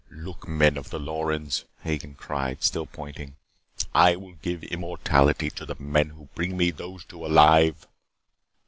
"Look, men of the Lorens," Hagen cried, still pointing. "I will give immortality to the men who bring me those two alive."